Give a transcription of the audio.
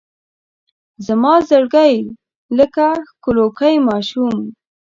زما زړګی لکه ښکلوکی ماشوم